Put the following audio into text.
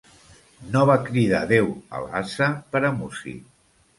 No va cridar Déu a l'ase per a músic.